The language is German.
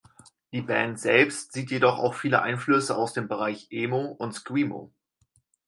Die Band selbst sieht jedoch auch viele Einflüsse aus dem Bereich Emo und Screamo.